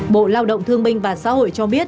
bộ lao động thương binh và xã hội cho biết